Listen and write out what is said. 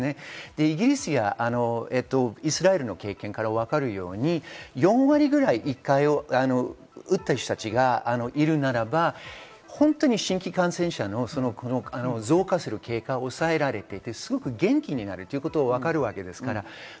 イギリスやイスラエルの経験からわかるように４割ぐらい打っている人たちがいるならば、新規感染者の増加する結果を抑えられて元気になるということが分かります。